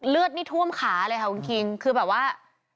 เลือดนี่ท่วมขาเลยค่ะคุณคิงคือแบบว่า